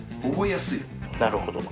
なるほど。